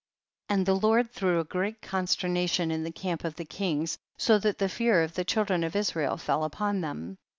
36. And the Lord threw a great consternation m the camp of the kings, so that the fear of the children of Israel fell upon them.